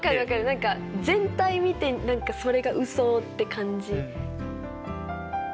何か全体見て何かそれがうそって感じ。